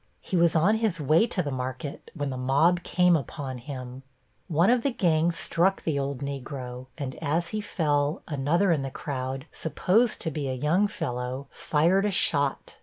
He was on his way to the market, when the mob came upon him. One of the gang struck the old Negro, and as he fell, another in the crowd, supposed to be a young fellow, fired a shot.